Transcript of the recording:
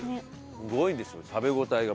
すごいですよ食べ応えが。